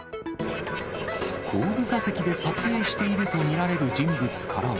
後部座席で撮影していると見られる人物からは。